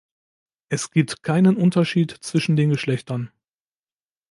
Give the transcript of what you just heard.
Es gibt keinen Unterschied zwischen den Geschlechtern.